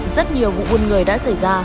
rất nhiều vụ buồn người đã xảy ra